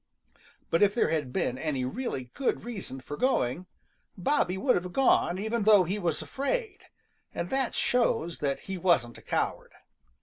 But if there had been any really good reason for going, Bobby would have gone even though he was afraid, and that shows that he wasn't a coward.